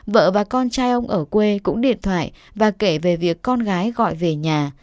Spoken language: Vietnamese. vợ và con trai ông ở quê cũng điện thoại và kể về việc con gái gọi về nhà